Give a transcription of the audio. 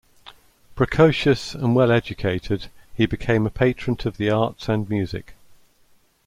Precocious and well educated, he became a patron of the arts and music.